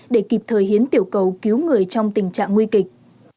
để kịp thời hiến tiểu cầu cứu người trong tình trạng nguy kịch